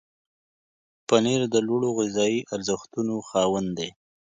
پنېر د لوړو غذایي ارزښتونو خاوند دی.